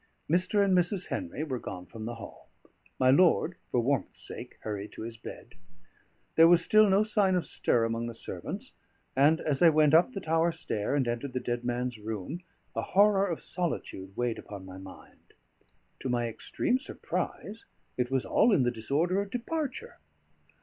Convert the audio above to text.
Mr. and Mrs. Henry were gone from the hall; my lord, for warmth's sake, hurried to his bed; there was still no sign of stir among the servants, and as I went up the tower stair, and entered the dead man's room, a horror of solitude weighed upon my mind. To my extreme surprise, it was all in the disorder of departure.